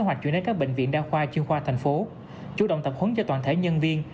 hoạch chuyển đến các bệnh viện đa khoa chuyên khoa tp hcm chủ động tập huấn cho toàn thể nhân viên